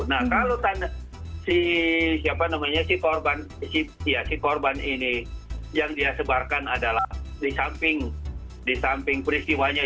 nah kalau si siapa namanya si korban si korban ini yang dia sebarkan adalah di samping peristiwanya